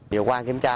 điều quan kiểm tra